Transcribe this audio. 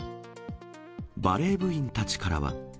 バレー部員たちからは。